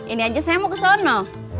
ini aja saya mau ke sana